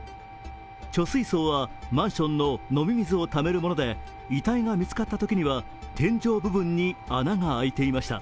貯水槽はマンションのの飲み水をためるもので遺体が見つかったときには天井部分に穴が開いていました。